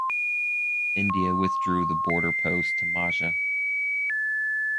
India withdrew the border post to Maja.